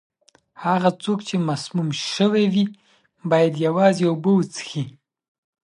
هغه څوک چې مسموم شوی وي، باید یوازې اوبه وڅښي.